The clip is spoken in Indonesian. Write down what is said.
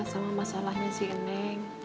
sama masalahnya si neng